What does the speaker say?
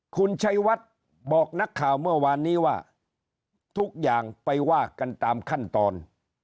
คุณชัยวัดบอกนักข่าวเมื่อวานนี้ว่าทุกอย่างไปว่ากันตามขั้นตอน